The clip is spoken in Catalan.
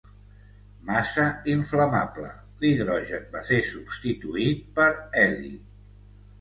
Massa inflamable, l'hidrogen va ser substituït per heli.